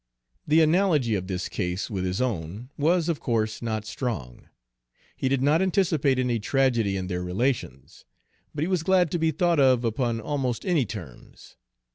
The analogy of this case with his own was, of course, not strong. He did not anticipate any tragedy in their relations; but he was glad to be thought of upon almost any terms.